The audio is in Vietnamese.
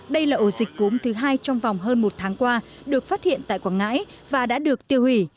đây là ổ dịch cúm thứ hai trong vòng hơn một tháng qua được phát hiện tại quảng ngãi và đã được tiêu hủy